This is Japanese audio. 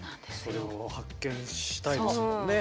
それを発見したいですもんね。